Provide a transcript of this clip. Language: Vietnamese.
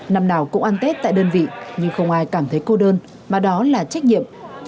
năm nào cũng ăn tết tại đơn vị nhưng không ai cảm thấy cô đơn mà đó là trách nhiệm